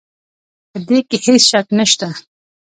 په دې کې هېڅ شک نه شته.